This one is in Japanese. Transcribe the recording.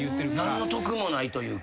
何の得もないというか。